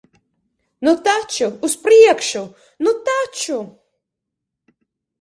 Nu taču, uz priekšu. Nu taču!